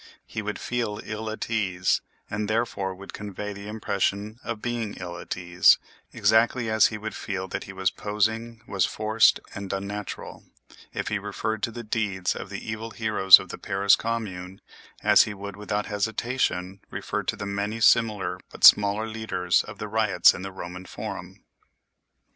He would feel ill at ease, and therefore would convey the impression of being ill at ease, exactly as he would feel that he was posing, was forced and unnatural, if he referred to the deeds of the evil heroes of the Paris Commune as he would without hesitation refer to the many similar but smaller leaders of riots in the Roman forum.